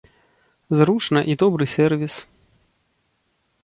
Зручна і добры сэрвіс.